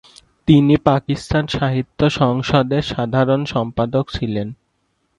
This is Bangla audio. তিনি পাকিস্তান সাহিত্য সংসদের সাধারণ সম্পাদক ছিলেন।